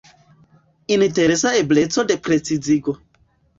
Interesa ebleco de precizigo.